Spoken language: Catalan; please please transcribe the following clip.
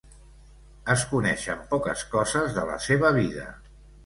Es coneixen poques coses de la seva vida.